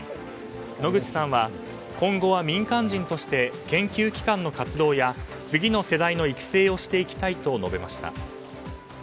野口さんは今後は民間人として研究機関の活動や次の世代の育成をしていきたいと述べました。